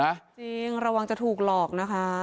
จริงระวังจะถูกหลอกนะคะ